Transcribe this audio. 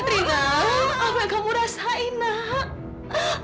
rina apa yang kamu rasai nak